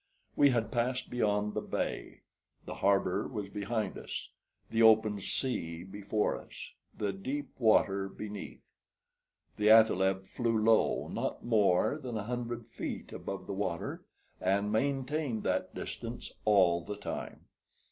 We had passed beyond the bay; the harbor was behind us, the open sea before us, the deep water beneath. The athaleb flew low, not more than a hundred feet above the water, and maintained that distance all the time.